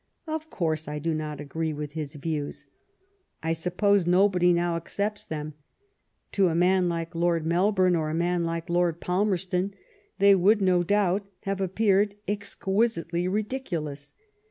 Of course I do not agree with his views — I suppose nobody now accepts them. To a man like Lord Melbourne or a man like Lord Palmerston they would, no doubt, have appeared exquisitely ridiculous.